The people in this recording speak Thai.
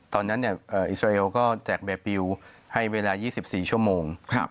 ตอนนั้นอิสราเอลก็แจกเบรียลให้เวลา๒๔ชั่วโมง